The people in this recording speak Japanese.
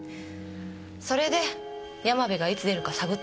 それで山部がいつ出るか探ってたの。